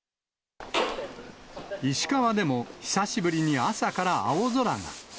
石川でも久しぶりに朝から青空が。